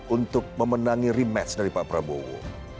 untuk memenangi rematch dari pak prabowo